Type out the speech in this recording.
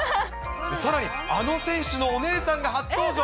さらに、あの選手のお姉さんが初登場。